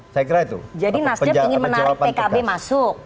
jadi nasdem ingin menarik pkb masuk